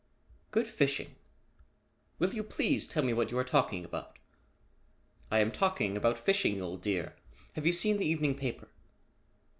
"Good fishing? Will you please tell me what you are talking about?" "I am talking about fishing, old dear. Have you seen the evening paper?"